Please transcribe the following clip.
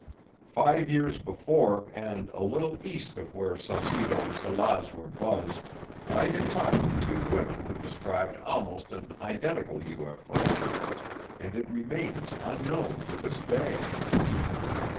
Five years before and a little east of where Saucedo and Salaz were "buzzed" I had talked to two women who described almost an identical UFO. And it remains "unknown" to this day.